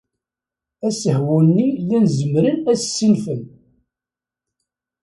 Asehwu-nni llan zemren ad as-ssinfen.